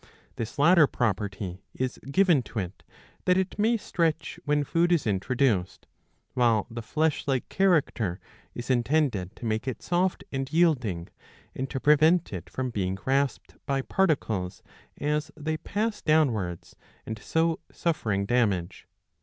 ^ This latter property is given to it, that it may stretch when food is introduced ; while the flesh like character is intended to make it soft and yielding, and to prevent it from being rasped by particles as they pass down wards, and so suffering damage.